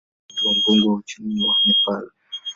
Utalii ndio uti wa mgongo wa uchumi wa Nepal.